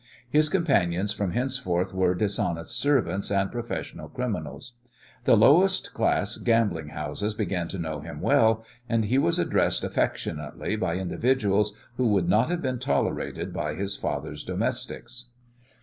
His companions from henceforth were dishonest servants and professional criminals. The lowest class gambling houses began to know him well, and he was addressed affectionately by individuals who would not have been tolerated by his father's domestics.